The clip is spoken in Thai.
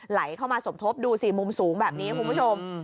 ไหลเข้ามาสมทบดูสิมุมสูงแบบนี้คุณผู้ชม